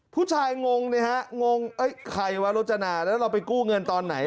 ผู้ชายงงไอ้ขไว้โรจนาแล้วเราไปกู้เงินตอนไหน